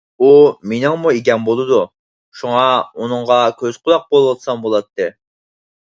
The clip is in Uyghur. ئۇ مېنىڭمۇ ئىگەم بولىدۇ، شۇڭا ئۇنىڭغا كۆز - قۇلاق بولسام بولاتتى.